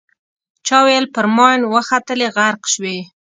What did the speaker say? چا ویل پر ماین وختلې غرق شوې.